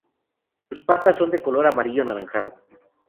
Sus patas son de color amarillo anaranjado.